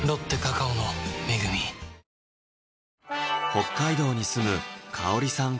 北海道に住む香里さん